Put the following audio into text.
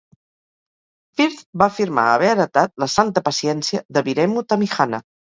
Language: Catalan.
Firth va afirmar haver heretat la "santa paciència" de Wiremu Tamihana.